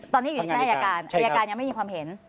ตอนนี้อยู่ในชั้นอายการอายการยังไม่มีความเห็น